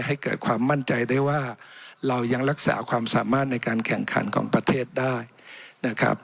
ให้เกิดความมั่นใจได้ว่าเรายังรักษาความสามารถในการแข่งขันของประเทศได้นะครับ